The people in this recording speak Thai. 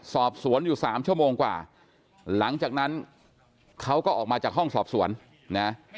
สอบสวนอยู่สามชั่วโมงกว่าหลังจากนั้นเขาก็ออกมาจากห้องสอบสวนนะ